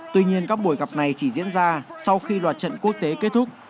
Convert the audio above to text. tuy nhiên các buổi gặp này chỉ diễn ra sau khi loạt trận quốc tế kết thúc